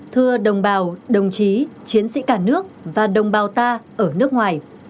thưa đồng bào đồng chí chiến sĩ cả nước và đồng bào ta ở nước ngoài